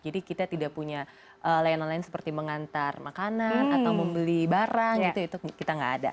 jadi kita tidak punya layanan lain seperti mengantar makanan atau membeli barang itu kita tidak ada